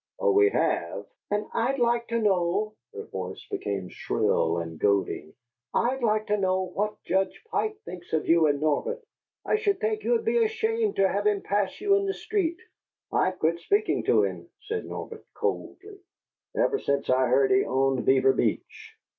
"Oh, we have?" "And I'd like to know" her voice became shrill and goading "I'd like to know what Judge Pike thinks of you and Norbert! I should think you'd be ashamed to have him pass you in the street." "I've quit speaking to him," said Norbert, coldly, "ever since I heard he owned Beaver Beach."